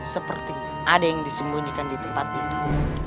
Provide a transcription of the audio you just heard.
seperti ada yang disembunyikan di tempat itu